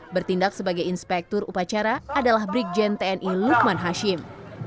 bertindak sebagai inspektur upacara adalah brigjen tni lukman hashim